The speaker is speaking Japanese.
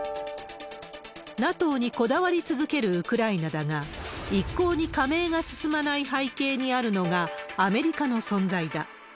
ＮＡＴＯにこだわり続けるウクライナだが、一向に加盟が進まない背景にあるのが、アメリカの存在だ。